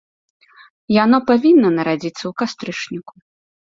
Яно павінна нарадзіцца ў кастрычніку.